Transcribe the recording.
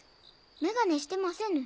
メガネしてませぬ。